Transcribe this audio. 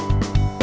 oke sampai jumpa